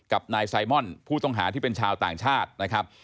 กับนายไซมอนผู้ต้องหาที่เป็นชาวต่างชาตินะครับ